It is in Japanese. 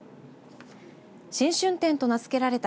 新春展と名付けられた